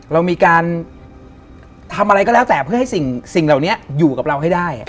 เรามีการทำอะไรก็แล้วแต่เพื่อให้สิ่งเหล่านี้อยู่กับเราให้ได้